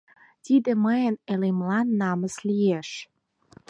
Тиде мыйын элемлан намыс лиеш!..